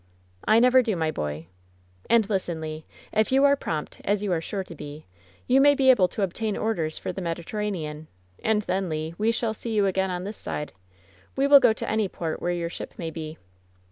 '' "I never do, my boy. And listen, Le. If you are prompt, as you are sure to be, you may be able to obtain orders for the Mediterranean, and then, Le, we shall see you again on this side. We will go to any port where your ship may be."